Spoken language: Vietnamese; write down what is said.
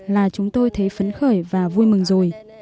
là chúng tôi thấy phấn khởi và vui mừng rồi